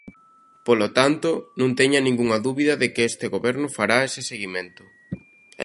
Polo tanto, non teña ningunha dúbida de que este goberno fará ese seguimento.